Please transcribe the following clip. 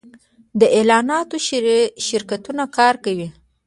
د اعلاناتو شرکتونه کار کوي